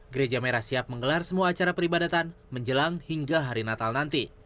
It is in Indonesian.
gereja merah siap menggelar semua acara peribadatan menjelang hingga hari natal nanti